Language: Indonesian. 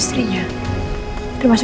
pulang ke rumah